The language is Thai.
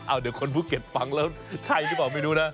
เดี๋ยวคนภูเก็ตฟังแล้วใช่หรือเปล่าไม่รู้นะ